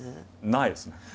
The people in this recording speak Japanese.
ないですね。